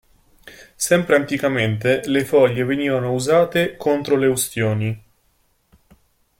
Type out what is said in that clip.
Sempre anticamente le foglie venivano usate contro le ustioni.